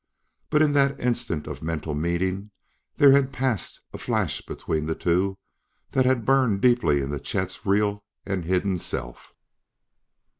But in that instant of mental meeting there had passed a flash between the two that had burned deeply into Chet's real and hidden self.